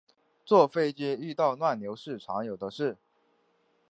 坐飞机遇到乱流是常有的事